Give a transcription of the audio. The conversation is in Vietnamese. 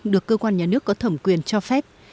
được cơ quan nhà nước có thẩm quyền cho phép